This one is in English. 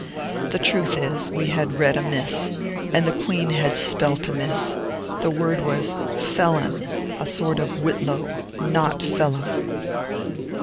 The truth is, we had read amiss, and the Queen had spelt amiss: the word was "Fellon," a sort of whitlow, not "Fellow."